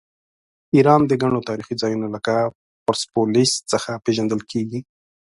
ایران د ګڼو تاریخي ځایونو لکه پرسپولیس څخه پیژندل کیږي.